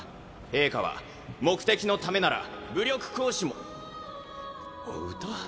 陛下は目的のためなら武力行使も・歌？